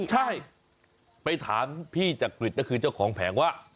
ใช่ไปถามพี่จักริตก็คือเจ้าของแผงว่า